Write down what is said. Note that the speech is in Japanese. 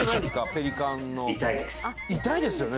ペリカンの痛いですよね？